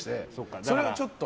それをちょっと。